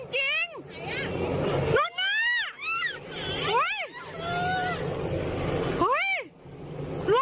เฮ้ยใช่เหรอ